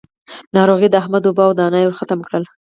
ناروغي د احمد اوبه او دانه يې ورختم کړل.